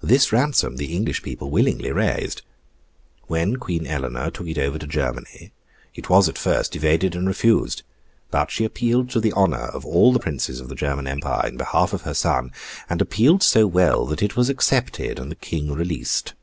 This ransom the English people willingly raised. When Queen Eleanor took it over to Germany, it was at first evaded and refused. But she appealed to the honour of all the princes of the German Empire in behalf of her son, and appealed so well that it was accepted, and the King released.